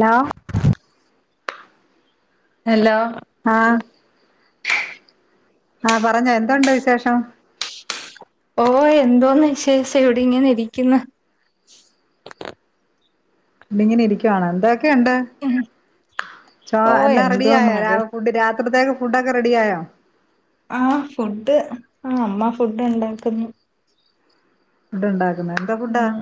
Law hello ആഹ ആ പറഞ്ഞോ എന്തുണ്ട് വിശേഷം ഓ എന്തോന്ന് വിശേഷം ഇവിടെ ഇങ്ങെ ഇരിക്കുന്നു [unintelligible] ഇങ്ങനെ ഇരിക്കുവവാാണ് എന്താ ന്തെക്കെണ്ട് ചൊ ഓ എല്ലാം എന്തോ റെഡിയായൊ മഴ രാ [unintelligible] പ്രത്യേക ഫുഡൊക്കെ റെഡിയയോ ആഹ് ഫുഡ് ആ അമ്മ ഫുഡ്ഡ് ഉണ്ടാക്കുന്നു ഇട്ണ്ടാക്ക [unintelligible] എന്തോ ഫുഡ്ഡാ ഉം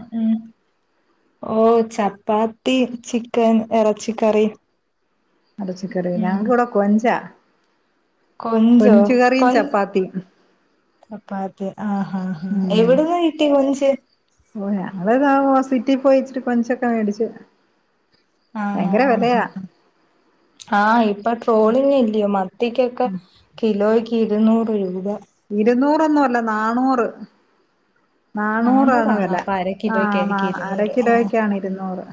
പ്പാത്തി ചിക്കൻ എറച്ചിക്കറി എരച്ചിക്കറി ഞങ്ങക്ക് ഇവിട കൊഞ്ചാ കൊഞ്ചോ കൊഞ്ച് കറീം ചപ്പാത്തിയും ചപ്പാത്തിയും ആ ഹാഹാ ഉം എവിട്ന്ന് കിട്ടി കൊഞ്ച് ഓ ഞങ്ങള് ഹോസ്പിറ്റെല് പോയിച്ചിരി കൊഞ്ചൊക്ക മേടിച്ച് ആണോ ഭയങ്കര ആ വിലയാ ആഹ് ഇപ്പ ട്രോളിങ് ഇല്ലയോ മത്തിക്കൊക്കെ കിലോയ് ഇരുന്നൂറ് രൂപ ഇരുന്നൂറൊന്നും അല്ല നാണ്ണൂറ് നാണ്ണൂറാണ് നാന്നൂറാന്നോ വെല അപ്പൊ അര ആ നാ കിലോയ്ക്കായിരിക്കും അര ഇരുന്നൂറ് ആ കിലോക്കാണ് ഇരുന്നൂറ്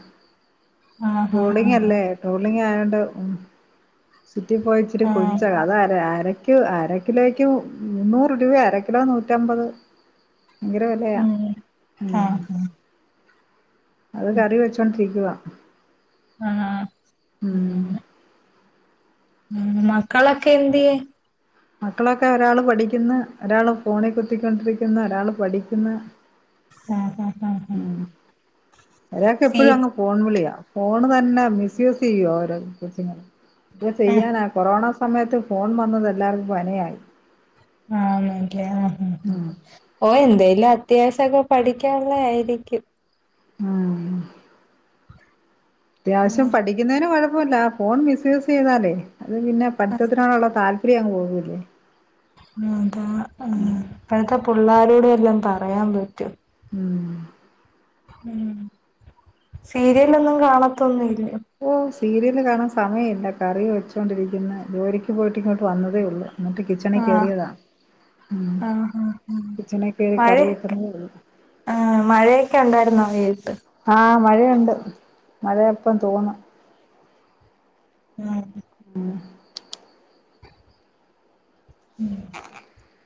ആ ട്രോളിങ് അല്ലേ ട്രോളിങ് ആ [unintelligible] സിറ്റി പോയിച്ചിട്ട് ആ ആ കൊഞ്ച അതാരാ ക്ക് അര കിലോക്ക് മുന്നൂറ് രൂപ അര കിലോ നൂറ്റമ്പത് ഭയങ്കര വെലെയ ഉം ഉം ആഹ് ആഹ് അത് കറി വെച്ചോണ്ടിരിക്കുവാ ആ ഉം ഉം മക്കളൊക്കെ എന്തിയെ മക്കളൊക്കെ ഒരാള് പഠിക്കുന്ന് ഒരാള് ഫോണിൽ കുത്തിക്കോണ്ടിരിക്കുന്ന് ഒരാള് പഠിക്കുന്ന് ആ ഹാ ഉം ഒരാക്ക് സീ എപ്പഴും അങ്ങ് ഫോൺ വിളിയാ ഫോണ് തന്നെ മിസ് യൂസ് ചെയ്യുവ ഓരോ കൊച്ചുങ്ങള് [unintelligible] ആഹ് ചെയ്യാനാ കൊറോണ സമയത്ത് ഫോൺ വന്നത് എല്ലാർക്കും പണിയായി ആന്ന് എനിക്ക് ആഹ് ഓ എന്തേലും ആ [unintelligible] ഒക്ക പഠിക്കാ ഒള്ള ആയിരിക്കും ഉം അത്യാവിശ്യം ആഹ് പഠിക്കുന്നതിന് കൊഴ അല്ല ഫോൺ മിസ് യൂസ് ചെയ്താലേ അത് പിന്നെ പഠിത്തത്തിനോടുള്ള താൽ [unintelligible] ത പ്പഴത്തെ പുള്ളാര് എല്ലാം പറയാൻ പറ്റും ഉം ഉ സീരിയലൊന്നും കാണത്തൊന്നില്ല ഓ സീരിയല് കാണാൻ സമയമില്ല കറി വെച്ചുകൊണ്ടിരിക്കുന്ന ജോലിക്ക് പോയിട്ട് ഇങ്ങോട്ട് വന്നതേ ഉള്ളൂ എന്നിട്ട് കിച്ചണി ആഹ കയറിയതാ ഉം ആ കിച്ചണി കയറി മഴയൊ കറി വെക്കുന്നതേ ഉള്ളൂ ആ മഴയൊക്കെ ഉണ്ടായിുന്നോ വെ ആഹ മഴയുണ്ട് മഴയ എപ്പ തോന്ന ഉം ഉം ഉം [unintelligible]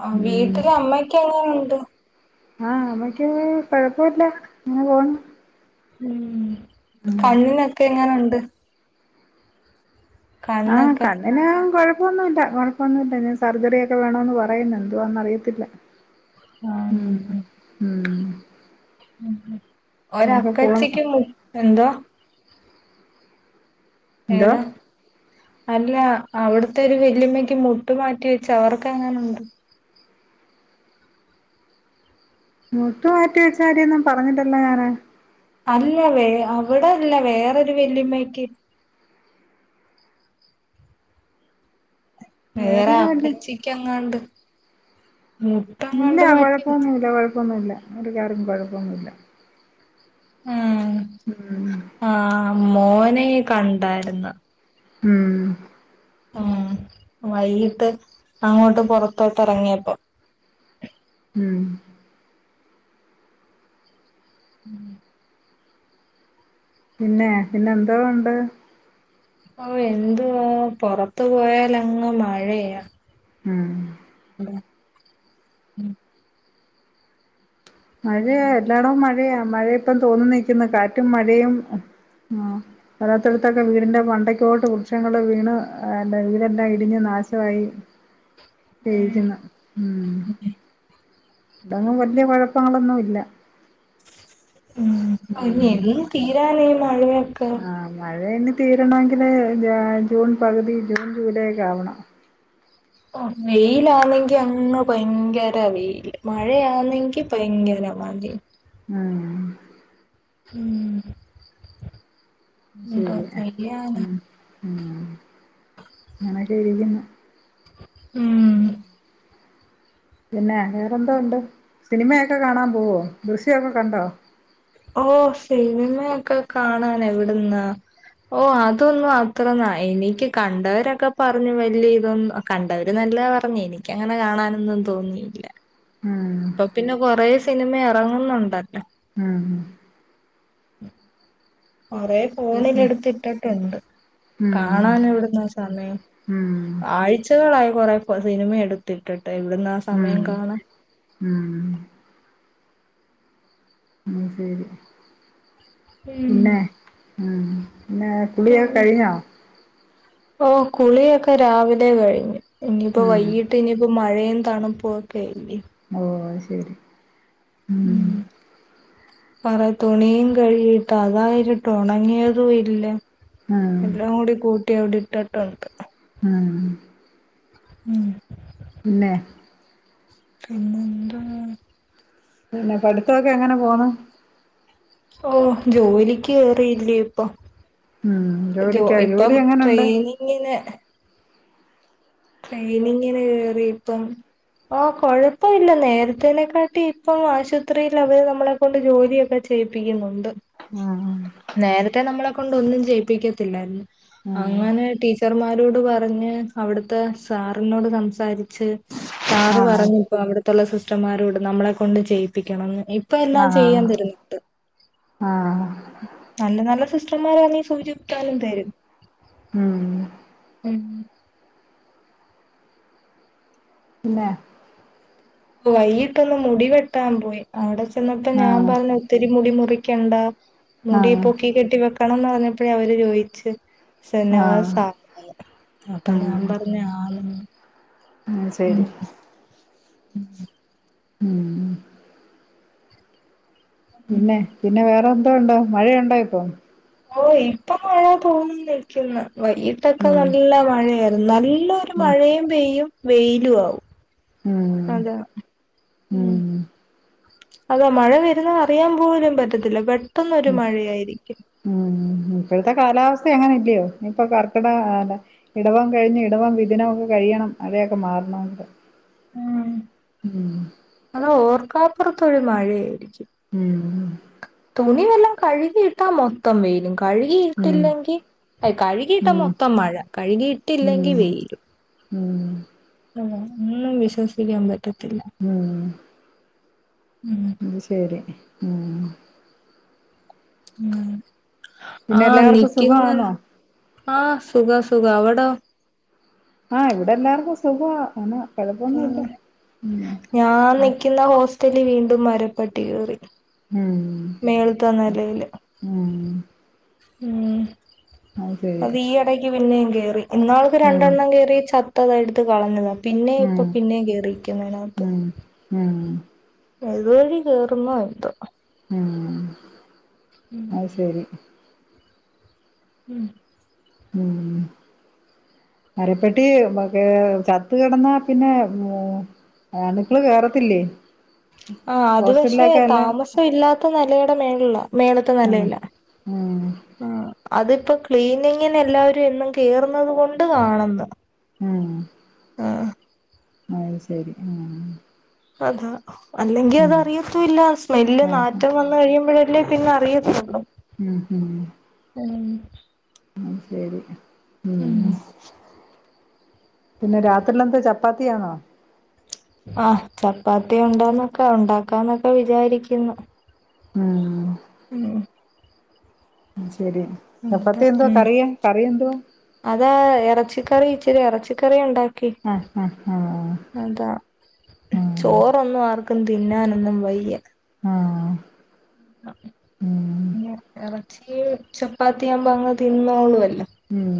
ആ വീട്ടില അമ്മക്ക് എങ്ങനെുണ്ട് ആഹ അമ്മക്ക് കൊഴപ്പുല്ല അങ്ങനെ പോണ് ഉം ഉം കണ്ണിനൊക്കെ എങ്ങനുണ്ട് [unintelligible] ആഹ കണ്ണൊക്കെ കണ്ണിന് കൊഴ കൊഴപ്പൊന്നുല്ല കൊഴപ്പൊന്നുല്ല സർജറിയ ഒക്കെ വേണോന്ന് പറയുന്നു എന്തോന്നാ അറിയത്തില്ല ഉ ഉം ഉം ഉം ഒര അങ്ങനൊക്കെ പോണ് അക്കച്ചിക്ക് എന്തോ എന്തോ ഏതാ അല്ല അവിടത്തെ ഒരു വെല്ലിയമ്മക്ക് മുട്ട് മാറ്റി വെച്ച് അവർക്ക അങ്ങനുണ്ട് മുട്ട് മാറ്റി വെച്ചകാര്യൊന്നും പറഞ്ഞിട്ടില്ല ഞാന് അല്ല വേ അവിടെ അല്ല വേറൊരു വെല്ലിയമ്മക്ക് വേറെ വേറൊരു വല്ല അപ്പച്ചിക്ക് എങ്ങാണ്ട് മുട്ടം കൊണ്ട് മാറ്റി കുഴപ്പൊന്നുല്ല അവർക്കർക്കും കുഴപ്പമൊന്നുല്ല ഉം ആ മോന കണ്ടായിര്ന്ന് ഉം ഉ വൈകിട്ട് അങ്ങോട്ട് പൊറത്തോട്ടറങ്ങിയപ്പൊ ഉം ഉം പിന്നെ പിന്നെ എന്താ ഉണ്ട് ഓ എന്ത്വ പൊറത്തു പോയാലങ്ങ് മഴയാ ഉം ഉം മഴയാ എല്ലാടും മഴയാ മഴയിപ്പം തോന്നുനിക്കുന്നു കാറ്റും മഴയും ആ അല്ലാത്തടത്തൊക്കെ വീടിന്റെ മണ്ടയ്ക്കോട്ട് വൃക്ഷങ്ങള് വീണ് വീടെല്ലാം ഇടിഞ്ഞ് നാശവായി രിക്കുന്ന ഉം തങ്ങും വല്യ കൊഴപ്പങ്ങളൊന്നു ഇല്ല ഉം പിന്നെ എന്നും തീരാലയും പഴയെ ആ മഴേണ് - തീരണെങ്കില് ജ് ജൂൺ പകുതി ജൂൺ ജൂലൈെ ക്കെ ആവണം ഉം വെയിലാണെങ്കി അങ്ങ് ഭയങ്കര വെയില് മഴയാന്നെങ്കി ഭയങ്കര മഴീ മ്മ് ഉം എന്തോ ചെയ്യാനാ മ്മ് അങ്ങനൊക്കെരിക്കുന്നു ഉം പിന്നെ വേറെന്തോണ്ട് സിനിമയൊക്കെ കാണാൻ പോവോ ദൃശ്യൊക്കെ കണ്ടോ ഓ സിനിമയൊക്കെ കാണാൻ എവിടുന്നാ ഓ അതൊന്നും അത്രന്നാ എനിക്ക് കണ്ടവരൊക്കെ പറഞ്ഞു വല്യതൊന്നു കണ്ടവര് നല്ലതാ പറഞ്ഞു എനിക്കങ്ങനെ കാണാനൊന്നും തോന്നിയില്ല ഉം ഇപ്പൊ പിന്നെ കൊറെ സിനിമ ഇറങ്ങുന്നുണ്ടല്ലോ ഉം [inaudible] കൊറെേ ഫോണിൽ ദൃശ്യം എടുത്തിട്ടിട്ടൊണ്ട് ഉം കാണാൻ എവിടുന്നാ സമയം ഉം ആഴ്ചകളായി കൊറെ പ്പ സിനിമയെടുത്തിട്ടിട്ട-ഒ - ട്ടയെവിട്ന്നാ ഉം സമയം കാണാൻ ഉം ഉ ശരി ഉം പിന്നെ ഉം ന്നെ കുളിയൊക്കെ കഴിഞ്ഞോ ഓ കുളിയൊക്കെ രാവിലെ കഴിഞ്ഞു ഇനിയിപ്പോ ഉം വൈകിട്ട് ഇനിയിപ്പോ മ ഴയും തണുപ്പുവൊക്കെയല്ലി ഓ ശരി ഉം പറ തുണിയും കഴുകിട്ട് അതായിരിട്ട് ഒണങ്ങിയതു ഇല്ല ഉം എല്ലാം കൂടി കൂട്ടി അവിടെ ഇട്ടിട്ടൊണ്ട് ഉം ഉം ഉം പിന്നെ പിന്നെന്താ പിന്നെ പഠിത്തൊക്കെ എങ്ങനെ പോന്ന ഓ ജോലിക്ക് കേറിയില്ലേ ഇപ്പൊ ഉം ജോ ജോലിക്കാ ഇപ്പം ജോലി എങ്ങനുണ്ട് ട്രെയിനിങ്ങിന് ട്രെയിനിങ്ങിന് കേറി ഇപ്പം ആ കൊഴപ്പമില്ല നേരത്തേനെക്കാട്ടി ഇപ്പം ആശുപത്രിയിൽ അവര് നമ്മളെ കൊണ്ട് ജോലിയൊക്കെ ചെയ്യിപ്പിക്കുന്നുണ്ട് ഉം നേരത്തെേ നമ്മളെ കൊണ്ട് ഒന്നും ചെയയിപ്പിക്കത്തില്ലായിരുന്നു ഉം അങ്ങനെ ടീച്ചർമാരോട് പറഞ്ഞ് അവിടു ഇത്തെ സാറിനോട് സംസാരിച്ച് സാറ് ആഹ് പറഞ്ഞപ്പോ അവിടെ മത്തുള്ള സിസ്റ്റർമാരോട് നമ്മളെ കൊണ്ട് ചെയ്യിപ്പിക്കണം ഇപ്പ എല്ലാം ചെയ്യാൻ ആഹ് തരുന്നിട്ട് ആഹ് നല്ല നല്ല സിസ്റ്റർമാരാനെൽ സൂചികുത്താനും തരും ഉം ഉ പിന്നെ വൈകിട്ടൊന്ന് മുടി വെട്ടാൻ പോയി അവിടെ ചെന്നപ്പോ ഞാൻ ആഹ് പറഞ്ഞ ഒത്തിരി മുടി മുറിക്കണ്ട മുടി ആഹ് പൊക്കി കെട്ടി വെക്കണംന്ന് പറഞ്ഞപ്പോഴേ അവര് ചോയിച്ചു ആഹ് നേഴ്സ് ആഹ് ആണല്ലേ അപ്പൊ ഞാൻ പറഞ്ഞ ആ ഉ ശരി ഉം ഉം പിന്നെ ഉം പിന്നെ വേറെന്ത ഇപ്പോണ്ടോ മഴയുണ്ടോ ഇപ്പൊ ഓ ഇപ്പം മഴ തോർന്നിൽകുന്നു വൈകീട്ടൊക്കെ ഉം നല്ല മഴയ പുന്നാലി എല്ല ഒരു ഉം മഴയും പെയ്യും വെയിലു ആവും ഉം അതാ ഉ ഉം അതാ മഴ വരുന്ന അറിയാൻ പോലും പറ്റത്തില്ല ബട്ട് ഉ ഉം ഇപ്പോഴത്തെ കാലാവസ്ഥ എങ്ങനെ ഇല്ലയോ ഇപ്പൊ കർക്കിട ഇടവം കഴിഞ്ഞ് ഇടവം വിദിനം ഒക്കെ കഴിയണം മഴയൊക്കെ മാറണണ്ട് ഉം ഉം കാപ്പുറത്തഴ മഴയായിരിക്കും ഉം തുണിവെല്ലാം കഴുകിയിട്ടാ മൊത്തം വെയിലും ഉം കഴുകിയിട്ടില്ലെങ്കിൽ അ കഴുകിയിട്ടാ ഉം മൊത്തം മഴ കഴുകിയിട്ടില്ലെങ്കി ഉം വെയിലും ഉം ഒഉം ഒന്നും വിശ്വസിക്കാൻ പറ്റ ഉം ഉം അത് ശരി ഉം ഉം പിന്നെ ആഹ് എല്ലാവർക്കും നിക്കുന്ന സുഖവാന്നോ ആഹ് സുഖ സുഖ അവിടോ ആഹ് ഇവിടെ എല്ലാർക്കും സുഖാ ആണ്. കൊഴപ്പൊന്നുല്ല ഉം ഞാൻ ആഹ് നിക്കുന്ന ഹോസ്സ് റ്റലി വീണ്ടും മരപ്പെട്ടി കേറി ഉം മേളിത്ത നിലയില്. ഉം ഉം അത് ഈയടക്ക് പിന്നെ കേറി ഇന്നാൾക്ക് ഉം രണ്ടെണ്ണം കേറി ച ഇട്ത്ത് കളഞ്ഞത പിന്നെ ഉം ഇപ്പൊ പിന്നെ കേയറിരിക്കുന്നയിനാത്ത് ഉം ഉം ഏതുവഴി കേയറുന്നോ എന്തോ ഉം ഉം അത് ശരി ഉം ഉം മരപ്പെട്ടി ചത്ത് കിടന്നാ പിന്നെ ഉ അണുക്കള് കേറത്തില്ലേ ആ അത് പക്ഷെ ഹോസ്റ്റലിലൊക്കെ എല്ലാം താമസം ഇല്ലാത്ത നിലയുടെ മേള മേളിത്തെ ഉം നിലയില ഉം ആ അതിപ്പോ ക്ലീനിങ്ങിന് എല്ലാവരും എന്നും കേറുന്നത് കൊണ്ട് കാണുന്നു ഉം ആഹ് അത് ശരി ഉം അത് അല്ലെങ്കി അത് ഉം അറിയത്തൂല്ല സ്മെല്ല് ആഹ് നാറ്റം വന്ന് കഴിയുമ്പോഴേ അല്ലേ പിന്നെ അറിയുന്നുണ്ടോ ഉം ഉം ഉം ഉം ശരി ഉം പിന്നെ രാത്രിലെന്താ ചപ്പാത്തിയാണോ ആഹ് ചപ്പാത്തി ഉണ്ടന്നൊക്കെ ഉണ്ടാക്കാന്നൊക്കെ വിചാരിക്കുന്നു. ഉം ഉം [unintelligible] ചപ്പാത്തി അതാ എന്തുവാ ഉ കറിയ കറി എന്തുവാ അതാ ഇറച്ചിക്കറി [unintelligible] ഇറച്ചിക്കറിയുണ്ടാ ആഹ് ആഹ് ആഹ് അതാ ആഹ് ചോറൊന്നും ആർക്കും തിന്നാനൊന്നും വയ്യ ആഹ് ഉം [unintelligible] ച്ചീ ചപ്പാത്തിയാവുമ്പോൾ അങ്ങനെ തിന്നോള്ളൂ അല്ലേ ഉം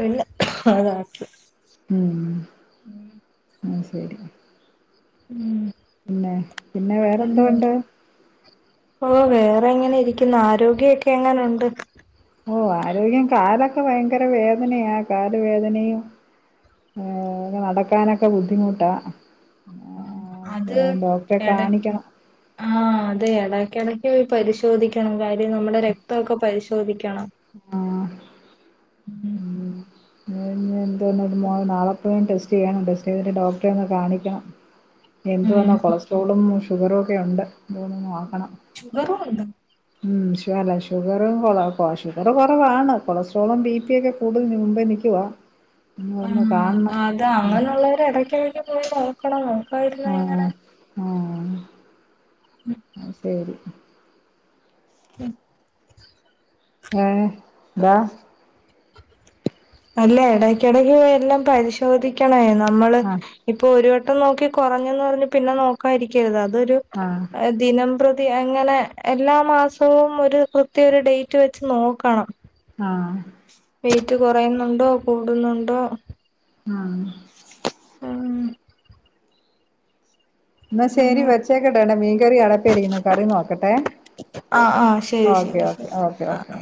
അല്ല അതാ ഉം ശരി ഉം പിന്നെ പിന്നെ വേറെന്തോ ഉണ്ട് ഓ വേറെ എങ്ങനെ ഇരിക്കുന്ന് ആരോഗ്യക്കെ എങ്ങനുണ്ട് ഓ ആരോഗ്യം കാലൊക്കെ ഭയങ്കര വേദനയാ കാല് വേദനയും ഏ നടക്കാനൊക്കെ ബുദ്ധിമുട്ടാ ഡോക്ടറെ കാണിക്കണം ആഹ അതെ ഇടയ്ക്കിടക്ക് പരിശോധിക്കണം നമ്മുടെ രക്തംഒക്കെ പരീശോ - [unintelligible] ദിക്കണം ആ ഉം [unintelligible] [unintelligible] നാളേപോയി ടെസ്റ്റ്‌ ചെയ്യാനുണ്ട് [unintelligible] ഡോക്ടറെ ഒന്ന് കാണിക്കണം എന്ത് ഉം. വാന്നാ കൊളസ്ട്രോളും ഷുഗറൊക്കെ ഉണ്ട് അതുകൊണ്ടൊന്ന് നോക്കണം ഷുഗറും ഉണ്ടോ മു അല്ല ഷുഗറും ഷുഗറ് കുറവാണ് കൊളസ്ട്രോളും ബി പിയ ഒക്കെ കൂടുതൽ നി എനിക്കുവ ആ അത് അങ്ങനുള്ളവര് ഇടക്കിടക്ക് പോയി നോക്കണം പോയിട്ടില്ലെ ആഹ് ഇങ്ങനെ ആ ശരി [inaudible] ഏ ന്താ അല്ല ഇടക്കിടയ്ക്ക് എല്ലാം പരിശോധിക്കണ എ നമ്മള് ആഹ് ഇപ്പൊ ഒരു വട്ടം ഇപ്പം നോക്കി കുറഞ്ഞന്ന് പറഞ്ഞ് പിന്നെ നോക്കാരിക്കരുത് അത് അതൊരു ആഹ് ദിനംപ്രതി അങ്ങനെ എല്ലാ മാസവും ഒരു കൃത്യ ഒരു ഡേറ്റ് വെച്ച് നോക്കണം ആ വെയിറ്റ് കുറയുന്നുണ്ടോ കൂടുന്നുണ്ടോ? ആ ഉം എന്നാ ശെരി വെച്ചേക്കട്ടെ ഡാ മീൻകറി അടപ്പെരിക്കുന്നു കറി നോക്കട്ടെ ആഹ് ആഹ് ശരി ഓക്കെ ശരി ശരി ഓക്കെ ഓക്കെ ആഹ് ഓക്കെ